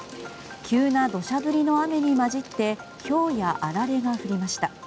急な土砂降りの雨に交じってひょうやあられが降りました。